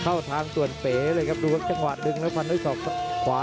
เข้าทางส่วนเป๋เลยครับดูครับจังหวะดึงแล้วฟันด้วยศอกขวา